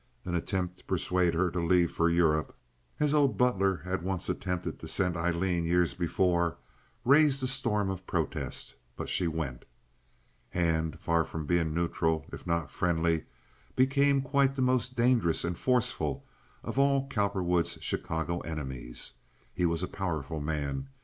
An attempt to persuade her to leave for Europe—as old Butler had once attempted to send Aileen years before—raised a storm of protest, but she went. Hand, from being neutral if not friendly, became quite the most dangerous and forceful of all Cowperwood's Chicago enemies. He was a powerful man.